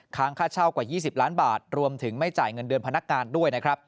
ค่าเช่ากว่า๒๐ล้านบาทรวมถึงไม่จ่ายเงินเดือนพนักงานด้วยนะครับ